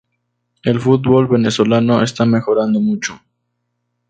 El fútbol venezolano está mejorando mucho.